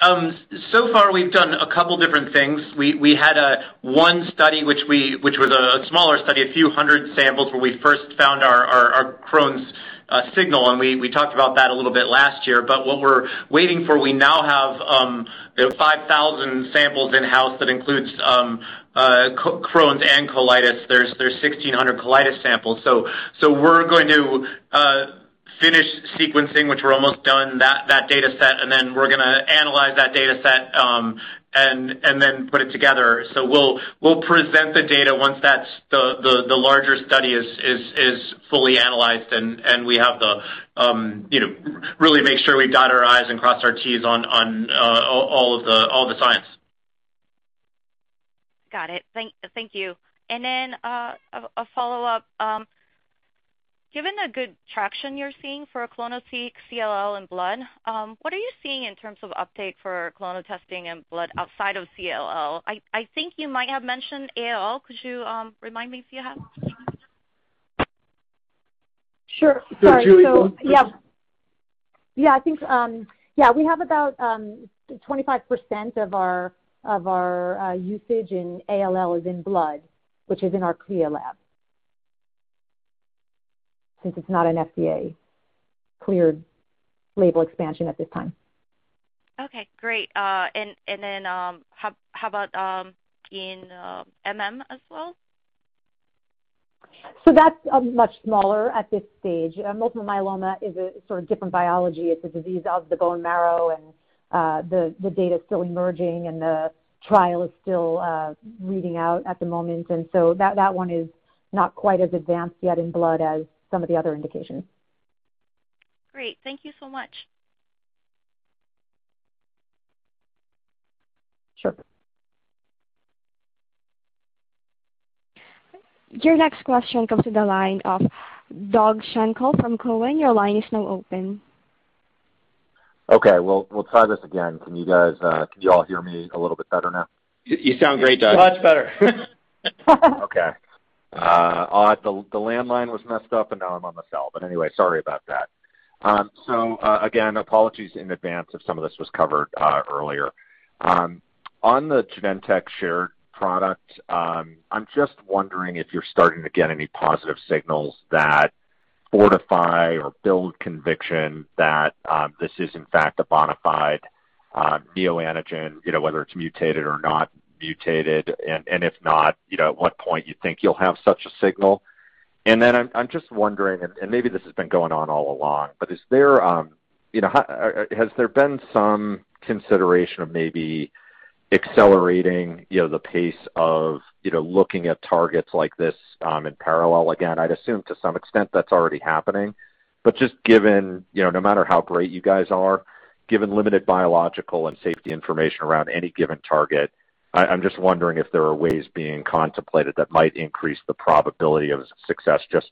Far we've done a couple different things. We had one study, which was a smaller study, a few hundred samples, where we first found our Crohn's signal, and we talked about that a little bit last year. What we're waiting for, we now have 5,000 samples in-house that includes Crohn's and colitis. There's 1,600 colitis samples. We're going to finish sequencing, which we're almost done, that dataset, and then we're going to analyze that dataset, and then put it together. We'll present the data once the larger study is fully analyzed, and we have to really make sure we've dotted our Is and crossed our Ts on all the science. Got it. Thank you. A follow-up. Given the good traction you're seeing for clonoSEQ, CLL and blood, what are you seeing in terms of uptake for clono testing in blood outside of CLL? I think you might have mentioned ALL. Could you remind me if you have? Sure. Sorry. Julie. Yeah, we have about 25% of our usage in ALL is in blood, which is in our CLIA lab, since it's not an FDA-cleared label expansion at this time. Okay, great. How about in MM as well? That's much smaller at this stage. Multiple myeloma is a sort of different biology. It's a disease of the bone marrow and the data's still emerging, and the trial is still reading out at the moment. That one is not quite as advanced yet in blood as some of the other indications. Great. Thank you so much. Sure. Your next question comes to the line of Doug Schenkel from Cowen. Your line is now open. Okay. We'll try this again. Can you all hear me a little bit better now? You sound great, Doug. Much better. Okay. Odd, the landline was messed up, and now I'm on the cell, but anyway, sorry about that. Again, apologies in advance if some of this was covered earlier. On the Genentech shared product, I'm just wondering if you're starting to get any positive signals that fortify or build conviction that this is in fact a bona fide neoantigen, whether it's mutated or not mutated, and if not, at what point you think you'll have such a signal? I'm just wondering, and maybe this has been going on all along, but has there been some consideration of maybe accelerating the pace of looking at targets like this in parallel? I'd assume to some extent that's already happening, but just no matter how great you guys are, given limited biological and safety information around any given target, I'm just wondering if there are ways being contemplated that might increase the probability of success, just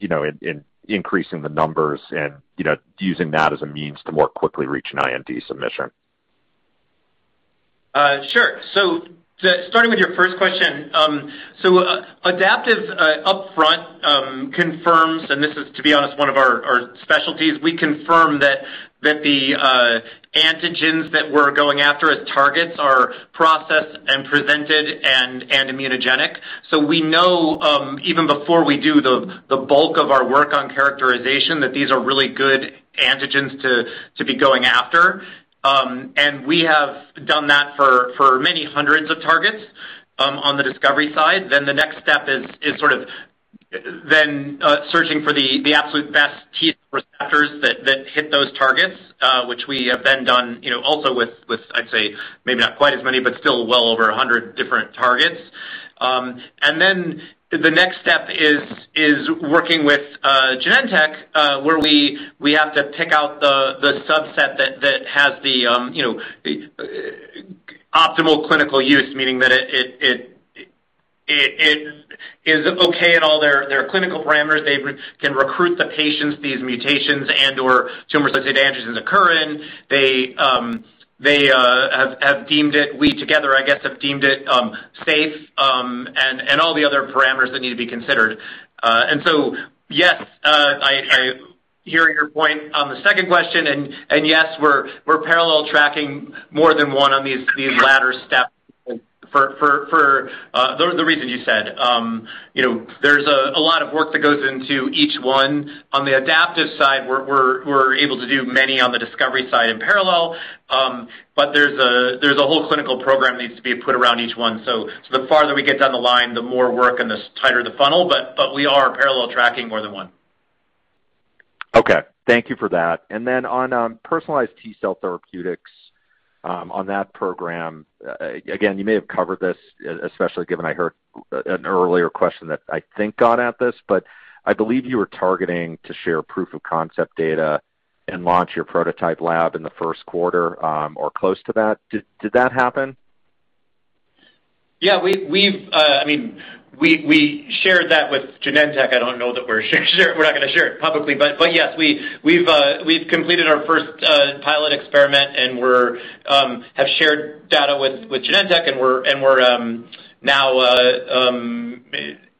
in increasing the numbers and using that as a means to more quickly reach an IND submission. Sure. Starting with your first question, Adaptive upfront confirms, and this is to be honest, one of our specialties, we confirm that the antigens that we're going after as targets are processed and presented and immunogenic. We know, even before we do the bulk of our work on characterization, that these are really good antigens to be going after. We have done that for many hundreds of targets on the discovery side. The next step is then searching for the absolute best T receptors that hit those targets, which we have then done also with, I'd say, maybe not quite as many, but still well over 100 different targets. The next step is working with Genentech, where we have to pick out the subset that has the optimal clinical use, meaning that it is okay in all their clinical parameters. They can recruit the patients, these mutations and/or tumor-associated antigens occur in. We together, I guess, have deemed it safe, and all the other parameters that need to be considered. Yes, I hear your point on the second question, and yes, we're parallel tracking more than one on these latter steps for the reason you said. There's a lot of work that goes into each one. On the Adaptive side, we're able to do many on the discovery side in parallel, but there's a whole clinical program needs to be put around each one. The farther we get down the line, the more work and the tighter the funnel, but we are parallel tracking more than one. Okay. Thank you for that. On personalized T-cell therapeutics, on that program, again, you may have covered this, especially given I heard an earlier question that I think got at this, but I believe you were targeting to share proof of concept data and launch your prototype lab in the first quarter, or close to that. Did that happen? We shared that with Genentech. I don't know that we're not going to share it publicly. Yes, we've completed our first pilot experiment. We have shared data with Genentech.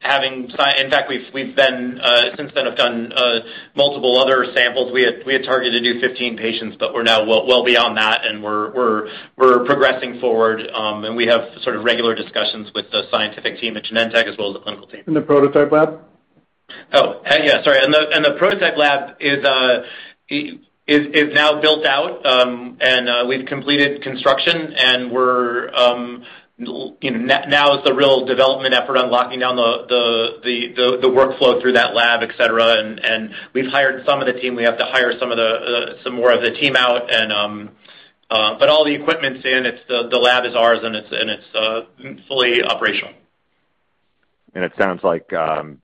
In fact, we've since then have done multiple other samples. We had targeted to do 15 patients. We're now well beyond that. We're progressing forward. We have regular discussions with the scientific team at Genentech as well as the clinical team. The prototype lab? Oh, yeah, sorry. The prototype lab is now built out, and we've completed construction, and now is the real development effort on locking down the workflow through that lab, et cetera. We've hired some of the team, we have to hire some more of the team out, but all the equipment's in, the lab is ours, and it's fully operational. It sounds like,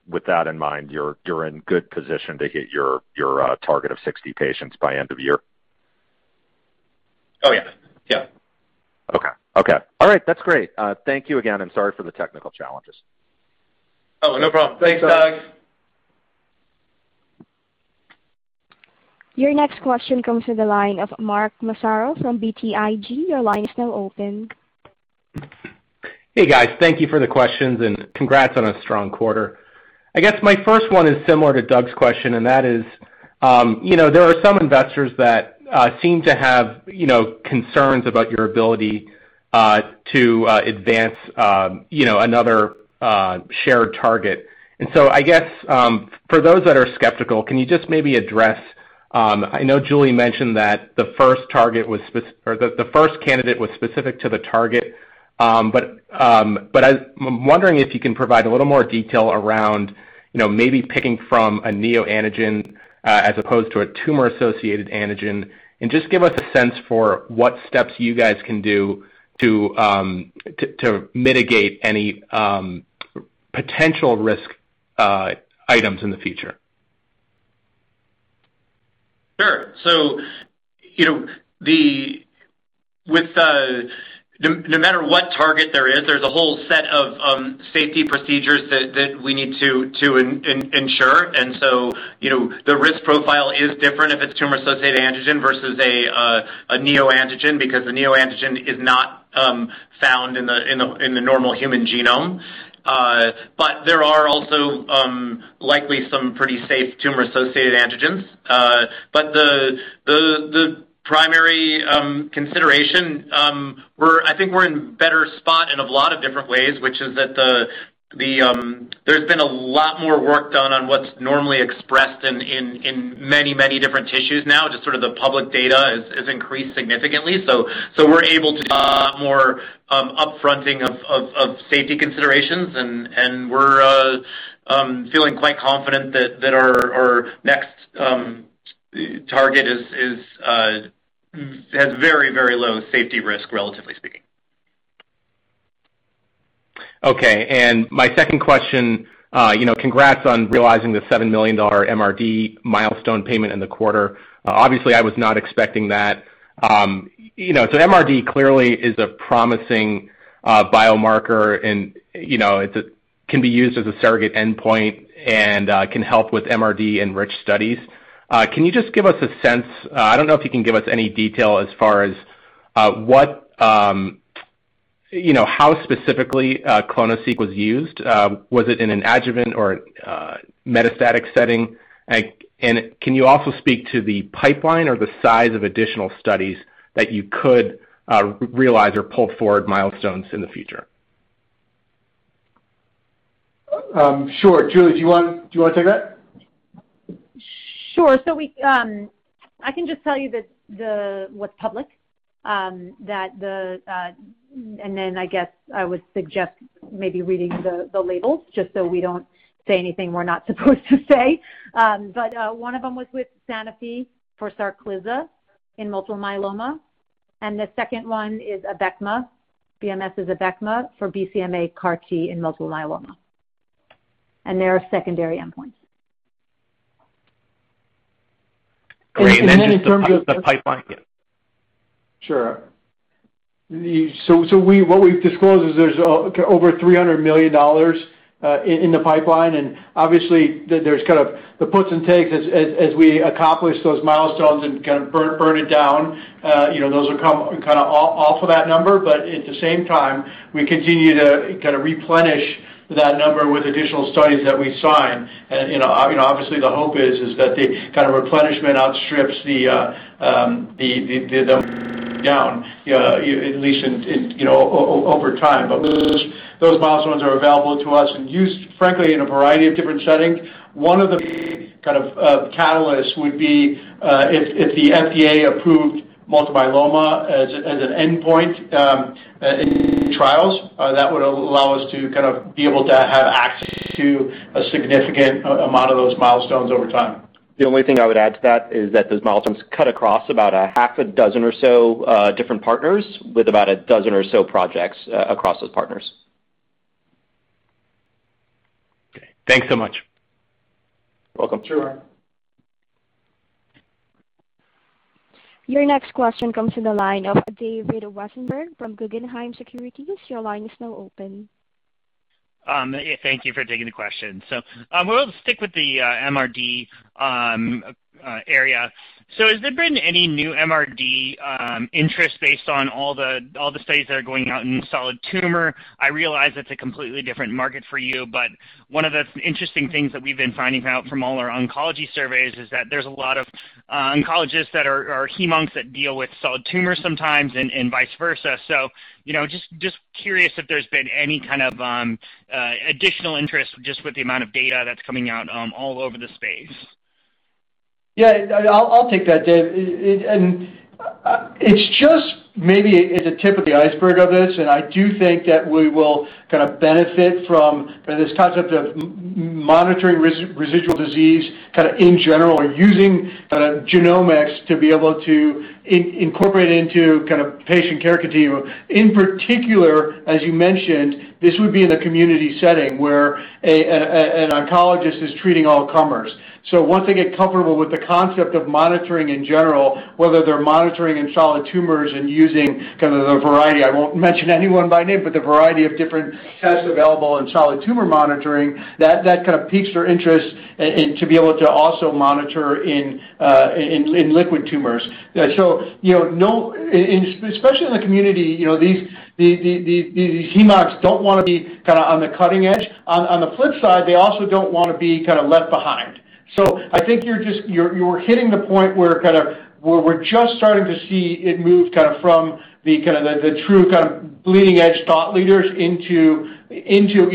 with that in mind, you're in good position to hit your target of 60 patients by end of year. Oh, yeah. Okay. All right. That's great. Thank you again, and sorry for the technical challenges. Oh, no problem. Thanks, Doug. Your next question comes to the line of Mark Massaro from BTIG. Your line is now open. Hey, guys. Thank you for the questions, and congrats on a strong quarter. I guess my first one is similar to Doug's question, and that is, there are some investors that seem to have concerns about your ability to advance another shared target. I guess, for those that are skeptical, can you just maybe address, I know Julie mentioned that the first candidate was specific to the target, but I'm wondering if you can provide a little more detail around maybe picking from a neoantigen as opposed to a tumor-associated antigen, and just give us a sense for what steps you guys can do to mitigate any potential risk items in the future. Sure. No matter what target there is, there's a whole set of safety procedures that we need to ensure. The risk profile is different if it's tumor-associated antigen versus a neoantigen, because the neoantigen is not found in the normal human genome. There are also likely some pretty safe tumor-associated antigens. The primary consideration, I think we're in a better spot in a lot of different ways, which is that there's been a lot more work done on what's normally expressed in many different tissues now. Just sort of the public data has increased significantly. We're able to do a lot more up-fronting of safety considerations, and we're feeling quite confident that our next target has very low safety risk, relatively speaking. Okay. My second question, congrats on realizing the $7 million MRD milestone payment in the quarter. Obviously, I was not expecting that. MRD clearly is a promising biomarker, and it can be used as a surrogate endpoint and can help with MRD enriched studies. Can you just give us a sense, I don't know if you can give us any detail as far as how specifically clonoSEQ was used? Was it in an adjuvant or metastatic setting? Can you also speak to the pipeline or the size of additional studies that you could realize or pull forward milestones in the future? Sure. Julie, do you want to take that? Sure. I can just tell you what's public. Then I guess I would suggest maybe reading the labels just so we don't say anything we're not supposed to say. One of them was with Sanofi for Sarclisa in multiple myeloma, and the second one is Abecma, BMS's Abecma for BCMA CAR T in multiple myeloma. They are secondary endpoints. Great. Then in terms of the pipeline? Sure. What we've disclosed is there's over $300 million in the pipeline, there's the puts and takes as we accomplish those milestones and burn it down. Those will come off of that number. At the same time, we continue to replenish that number with additional studies that we sign. The hope is that the replenishment outstrips the down at least over time. Those milestones are available to us and used, frankly, in a variety of different settings. One of the big catalysts would be if the FDA approved multiple myeloma as an endpoint in trials. That would allow us to be able to have access to a significant amount of those milestones over time. The only thing I would add to that is that those milestones cut across about a half a dozen or so different partners with about 12 or so projects across those partners. Okay. Thanks so much. You're welcome. Sure. Your next question comes from the line of David Westenberg from Guggenheim Securities. Your line is now open. Thank you for taking the question. We'll stick with the MRD area. Has there been any new MRD interest based on all the studies that are going out in solid tumor? I realize it's a completely different market for you, but one of the interesting things that we've been finding out from all our oncology surveys is that there's a lot of oncologists that are hem/oncs that deal with solid tumor sometimes and vice versa. Just curious if there's been any kind of additional interest just with the amount of data that's coming out all over the space. Yeah, I'll take that, David. It's just maybe it's the tip of the iceberg of this, and I do think that we will benefit from this concept of monitoring residual disease in general or using genomics to be able to incorporate into patient care continuum. In particular, as you mentioned, this would be in a community setting where an oncologist is treating all comers. Once they get comfortable with the concept of monitoring in general, whether they're monitoring in solid tumors and using the variety, I won't mention anyone by name, but the variety of different tests available in solid tumor monitoring, that piques their interest to be able to also monitor in liquid tumors. Especially in the community, these hem/oncs don't want to be on the cutting edge. On the flip side, they also don't want to be left behind. I think you're hitting the point where we're just starting to see it move from the true bleeding edge thought leaders into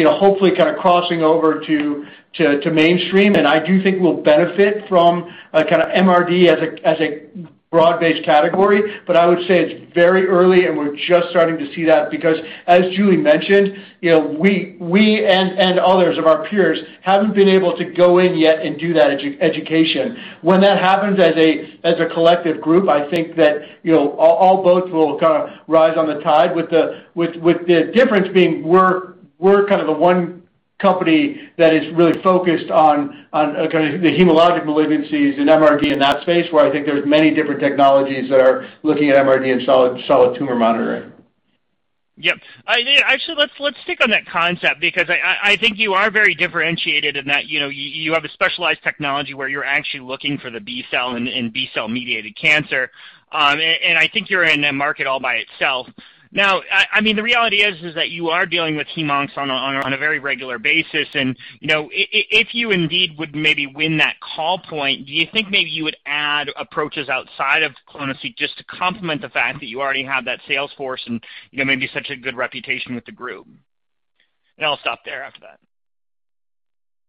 hopefully crossing over to mainstream. I do think we'll benefit from MRD as a broad-based category. I would say it's very early, and we're just starting to see that because, as Julie mentioned, we and others of our peers haven't been able to go in yet and do that education. When that happens as a collective group, I think that all boats will rise on the tide with the difference being we're the one company that is really focused on the hematologic malignancies and MRD in that space, where I think there's many different technologies that are looking at MRD and solid tumor monitoring. Yep. Actually, let's stick on that concept because I think you are very differentiated in that you have a specialized technology where you're actually looking for the B-cell and B-cell-mediated cancer. I think you're in a market all by itself. Now, the reality is that you are dealing with hem oncs on a very regular basis, and if you indeed would maybe win that call point, do you think maybe you would add approaches outside of clonoSEQ just to complement the fact that you already have that sales force and maybe such a good reputation with the group? I'll stop there after that.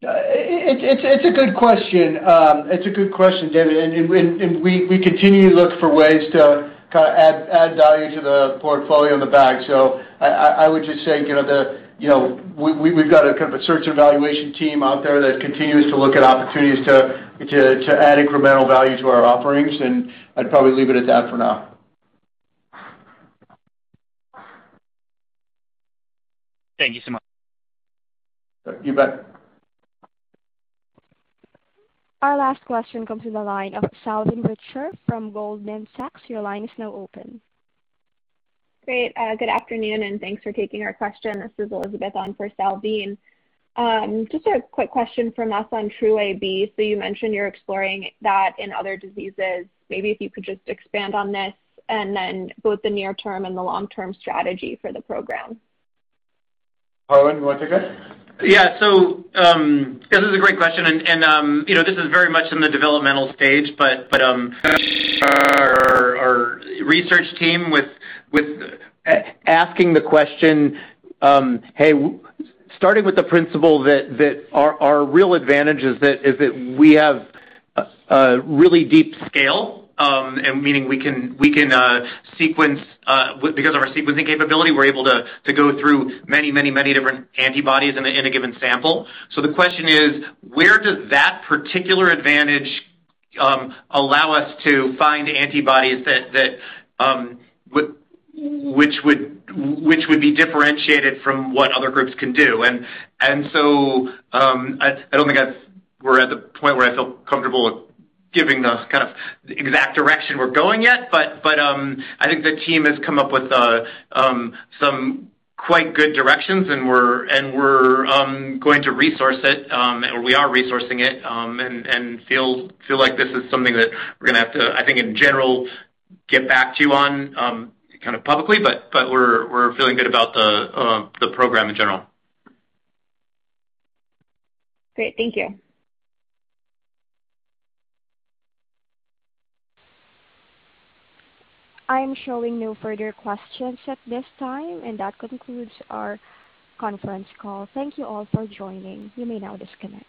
It's a good question. It's a good question, David. We continue to look for ways to add value to the portfolio on the back. I would just say, we've got a search and evaluation team out there that continues to look at opportunities to add incremental value to our offerings, and I'd probably leave it at that for now. Thank you so much. You bet. Our last question comes from the line of Salveen Richter from Goldman Sachs. Your line is now open. Great. Good afternoon, thanks for taking our question. This is Elizabeth on for Salveen. Just a quick question from us on TruAB. You mentioned you're exploring that in other diseases. Maybe if you could just expand on this, both the near-term and the long-term strategy for the program. Harlan, you want to take it? Yeah. This is a great question, and this is very much in the developmental stage, but our research team with asking the question, starting with the principle that our real advantage is that we have a really deep scale, meaning because of our sequencing capability, we're able to go through many different antibodies in a given sample. The question is, where does that particular advantage allow us to find antibodies which would be differentiated from what other groups can do? I don't think we're at the point where I feel comfortable with giving the exact direction we're going yet. I think the team has come up with some quite good directions, and we're going to resource it, or we are resourcing it, and feel like this is something that we're going to have to, I think in general, get back to you on publicly, but we're feeling good about the program in general. Great. Thank you. I am showing no further questions at this time. That concludes our conference call. Thank you all for joining. You may now disconnect.